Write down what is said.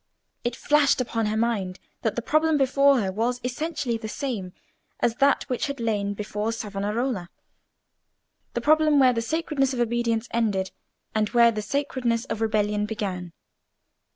It flashed upon her mind that the problem before her was essentially the same as that which had lain before Savonarola—the problem where the sacredness of obedience ended, and where the sacredness of rebellion began.